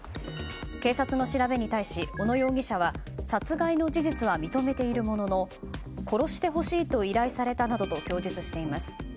警察の調べに対し小野容疑者は殺害の事実は認めているものの殺してほしいと依頼されたなどと供述しています。